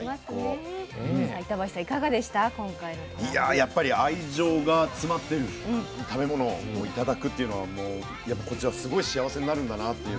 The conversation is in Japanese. やっぱり愛情が詰まってる食べ物を頂くっていうのはこちらすごい幸せになるんだなっていうのを改めて感じました。